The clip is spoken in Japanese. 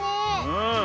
うん。